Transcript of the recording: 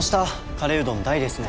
カレーうどん大ですね。